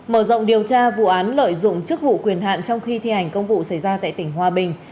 mở rộng điều tra vụ án lợi dụng chức vụ quyền hạn trong khi thi hành công vụ xảy ra tại tỉnh hòa bình